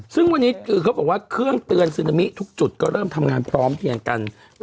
ซึ่งวันนี้คือเขาบอกว่าเครื่องเตือนซึนามิทุกจุดก็เริ่มทำงานพร้อมเพียงกัน